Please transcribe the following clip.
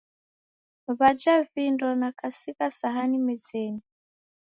W'aja vindo na kasigha sahani mezenyi.